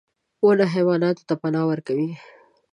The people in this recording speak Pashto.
• ونه حیواناتو ته پناه ورکوي.